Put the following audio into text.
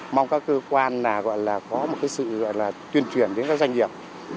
mà có một sự tuyên truyền đến các doanh nghiệp